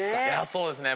そうですね